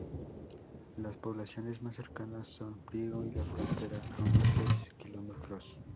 Las poblaciones más cercanas son Priego y La Frontera, a unos seis kilómetros.